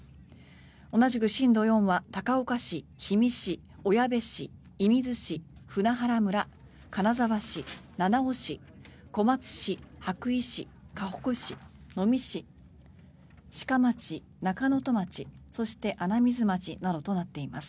同じく震度４は高岡市、氷見氏、小矢部市射水市、舟橋村、金沢市七尾市、小松市、羽咋市かほく市、能美市志賀町、中能登町そして穴水町などとなっています。